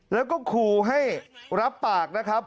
แล้วก็ครูให้รับปากนะครับ